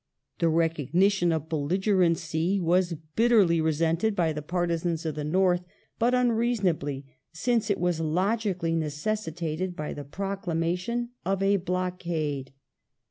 The recognition of belligerency was bitterly resented by the partisans of the North, but unreason ably, since it was logically necessitated by the proclamation of a " blockade